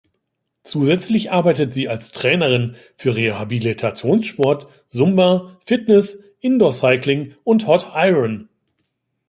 Zusätzlich arbeitet sie als Trainerin für Rehabilitationssport, Zumba Fitness, Indoor-Cycling und Hot Iron.